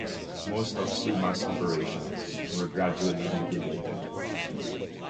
Most of Summa's operations were gradually liquidated.